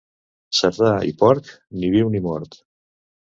Cerdà i porc, ni viu ni mort.